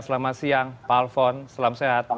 selamat siang pak alfon selamat sehat